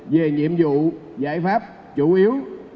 về nhiệm vụ giải pháp chủ yếu